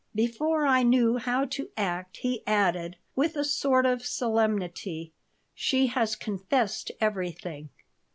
Before I knew how to act he added, with a sort of solemnity: "She has confessed everything."